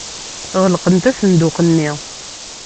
Ɣelqent asenduq-nni.